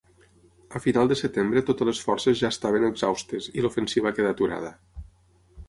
A final de setembre totes les forces ja estaven exhaustes i l'ofensiva quedà aturada.